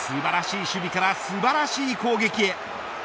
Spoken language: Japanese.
素晴らしい守備から素晴らしい攻撃へ。